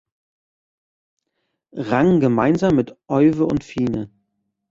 Rang gemeinsam mit Euwe und Fine.